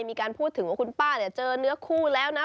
มีการพูดถึงว่าคุณป้าเจอเนื้อคู่แล้วนะ